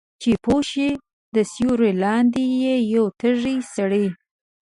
چې پوهه شوه د سیوری لاندې یې یو تږی سړی